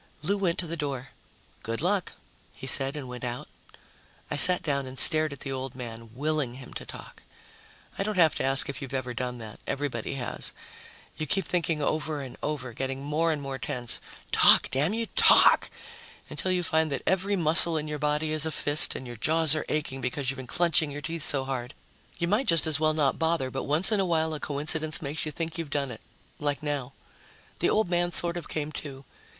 Lou went to the door. "Good luck," he said, and went out. I sat down and stared at the old man, willing him to talk. I don't have to ask if you've ever done that; everybody has. You keep thinking over and over, getting more and more tense, "Talk, damn you, talk!" until you find that every muscle in your body is a fist and your jaws are aching because you've been clenching your teeth so hard. You might just as well not bother, but once in a while a coincidence makes you think you've done it. Like now. The old man sort of came to.